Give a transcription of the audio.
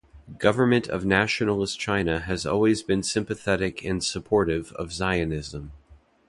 Government of Nationalist China has always been sympathetic and supportive of Zionism.